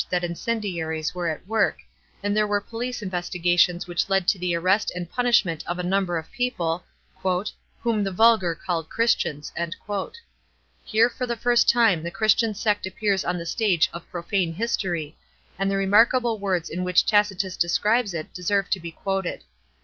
that incemliaries were at work, and there were police investigations which led to the arrest and punishment of a number of people ''whom the vulgar called Christians." Here for the first time the Christian sect appears on the stage of profane history, and the remarkable words in which Taci tus describes it deserve to be quoted.